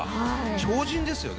超人ですよね。